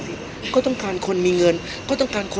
พี่อัดมาสองวันไม่มีใครรู้หรอก